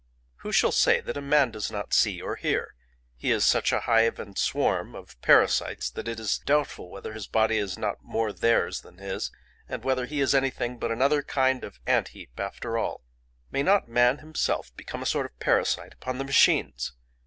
"Who shall say that a man does see or hear? He is such a hive and swarm of parasites that it is doubtful whether his body is not more theirs than his, and whether he is anything but another kind of ant heap after all. May not man himself become a sort of parasite upon the machines?